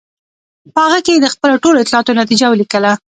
په هغه کې یې د خپلو ټولو اطلاعاتو نتیجه ولیکله.